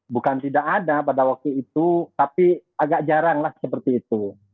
bukan tidak ada pada waktu itu tapi agak jarang lah seperti itu